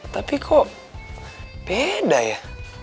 tapi kok beda ya